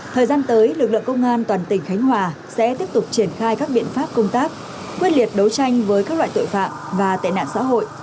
thời gian tới lực lượng công an toàn tỉnh khánh hòa sẽ tiếp tục triển khai các biện pháp công tác quyết liệt đấu tranh với các loại tội phạm và tệ nạn xã hội